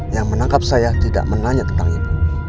yang menangkap saya tidak menanya tentang itu